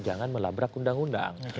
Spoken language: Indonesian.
jangan melabrak undang undang